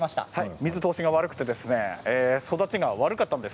水通しが悪くて育ちが悪かったんです。